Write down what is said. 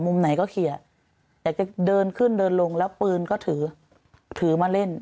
ไหนก็เคลียร์อยากจะเดินขึ้นเดินลงแล้วปืนก็ถือถือมาเล่น